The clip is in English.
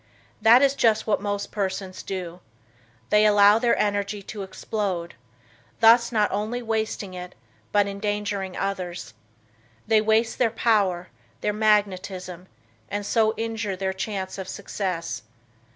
That is just what most persons do. They allow their energy to explode, thus not only wasting it but endangering others. They waste their power, their magnetism and so injure their chance of success.